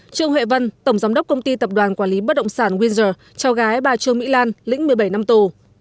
trương huệ vân tổng giám đốc công ty tập đoàn quản lý bất động sản windsor trao gái bà trương mỹ lan lĩnh một mươi bảy năm tù